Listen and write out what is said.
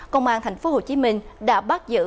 công an tp hcm đã bắt giữ